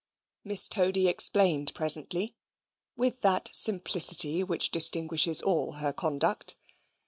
Miss Toady explained presently, with that simplicity which distinguishes all her conduct.